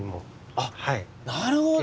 あなるほど！